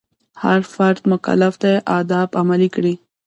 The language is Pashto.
هر فرد مکلف دی آداب عملي کړي.